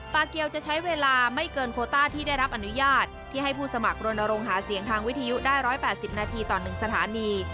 เกียวจะใช้เวลาไม่เกินโคต้าที่ได้รับอนุญาตที่ให้ผู้สมัครรณรงค์หาเสียงทางวิทยุได้๑๘๐นาทีต่อ๑สถานี